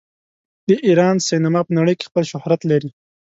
د ایران سینما په نړۍ کې خپل شهرت لري.